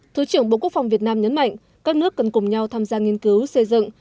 thứ trưởng bộ quốc phòng việt nam nhấn mạnh các nước cần cùng nhau tham gia nghiên cứu xây dựng